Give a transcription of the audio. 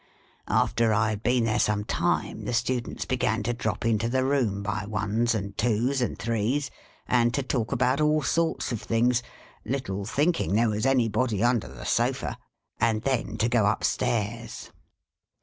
" After I had been there some time, the students began to drop into the room, by ones, and twos, and threes, and to talk about all sorts of things, little thinking there was anybody under the sofa — and then to go up stairs.